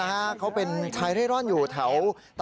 โอ้เขาสูงตรงไม่ขึ้นเรานะ